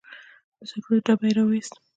د سګریټو ډبی یې راوویست.